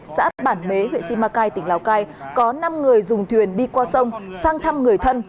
xã bản mế huyện si ma cai tỉnh lào cai có năm người dùng thuyền đi qua sông sang thăm người thân